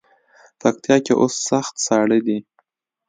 پکتیا کې اوس سخت ساړه دی.